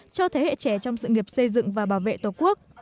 cho thế hệ trẻ trong sự nghiệp xây dựng và bảo vệ tổ quốc